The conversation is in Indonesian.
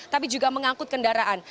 tapi juga mengangkut kendaraan